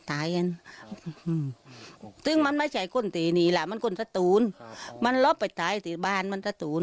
ซึ่งมันไม่ใช่คุณตรีนี่แหละจะเป็นคนสตูนมันรอบไปถ่ายไปบ้านตราสตูน